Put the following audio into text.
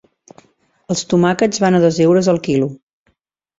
Els tomàquets van a dos euros el quilo.